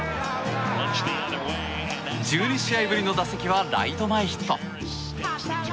１２試合ぶりの打席はライト前ヒット。